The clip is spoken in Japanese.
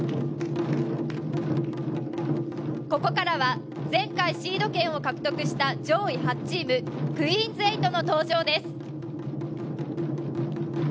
ここからは前回シード権を獲得した上位８チーム、クイーンズエイトの登場です。